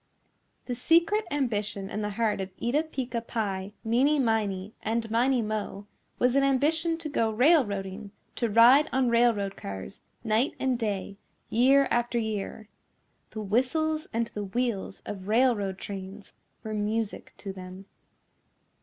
The secret ambition in the heart of Eeta Peeca Pie, Meeney Miney, and Miney Mo was an ambition to go railroading, to ride on railroad cars night and day, year after year. The whistles and the wheels of railroad trains were music to them.